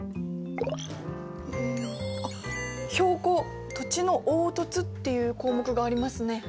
「標高・土地の凹凸」っていう項目がありますね。